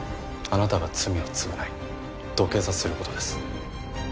あなたが罪を償い土下座する事です。